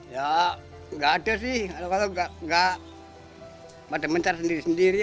ya gak ada sih kalau gak ada mencar sendiri sendiri